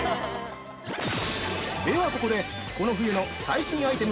ではここで、この冬の最新アイテム